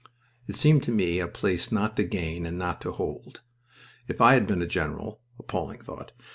It seemed to me a place not to gain and not to hold. If I had been a general (appalling thought!)